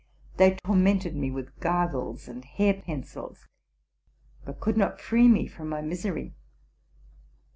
They tor mented me with gargles and hair pencils, but could not free me from my misery.